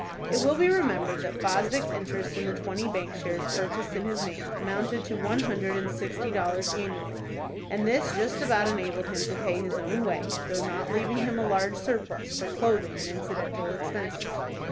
It will be remembered that Fosdick's interest on the twenty bank shares purchased in his name amounted to one hundred and sixty dollars annually, and this just about enabled him to pay his own way, though not leaving him a large surplus for clothing and incidental expenses.